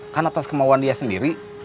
kan atas kemauan dia sendiri